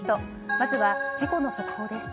まずは事故の速報です。